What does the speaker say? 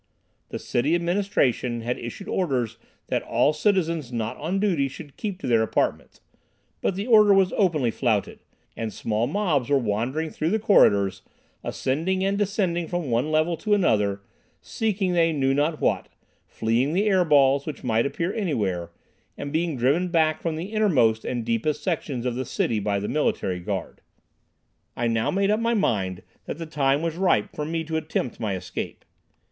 The city administration had issued orders that all citizens not on duty should keep to their apartments, but the order was openly flouted, and small mobs were wandering through the corridors, ascending and descending from one level to another, seeking they knew not what, fleeing the air balls, which might appear anywhere, and being driven back from the innermost and deepest sections of the city by the military guard. I now made up my mind that the time was ripe for me to attempt my escape.